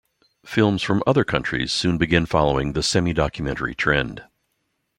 Films from other countries soon began following the semidocumentary trend.